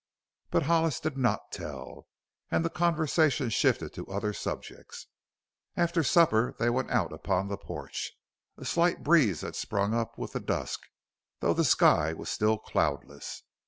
But Hollis did not tell, and the conversation shifted to other subjects. After supper they went out upon the porch. A slight breeze had sprung up with the dusk, though the sky was still cloudless.